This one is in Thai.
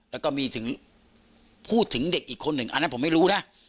แล้วก็มีถึงพูดถึงเด็กอีกคนหนึ่งอันนั้นผมไม่รู้นะ